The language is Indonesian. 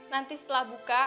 nanti setelah buka